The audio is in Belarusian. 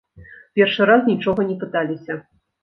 Першы раз нічога не пыталіся.